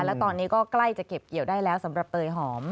และตอนนี้ก็ใกล้จะเก็บเกี่ยวได้แล้วสำหรับเตยหอม